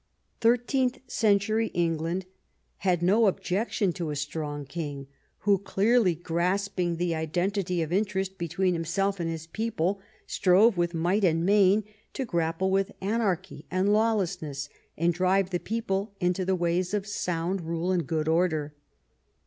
Thirteenth century England had no I EARLY YEARS 8 objection to a strong king, who, clearly grasping the identity of interest between himself and his people, strove with might and main to grapple with anarchy and lawlessness, and drive the people into the ways of sound rule and good order.